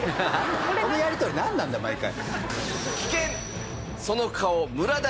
このやり取りなんなんだよ毎回。